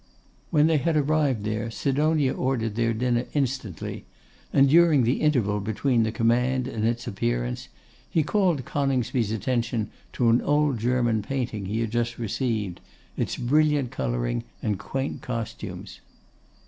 When they had arrived there, Sidonia ordered their dinner instantly, and during the interval between the command and its appearance, he called Coningsby's attention to an old German painting he had just received, its brilliant colouring and quaint costumes.